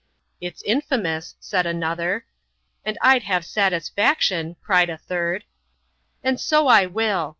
" It's infifc mous," said another ;^ and Td have satisfaction," cried a third. "And so I will!"